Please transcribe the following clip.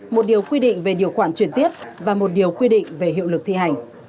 một điều quy định về điều khoản truyền tiết và một điều quy định về hiệu lực thi hành